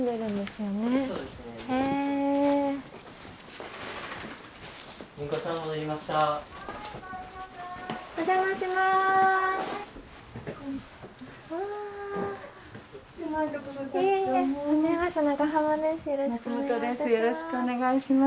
よろしくお願いします。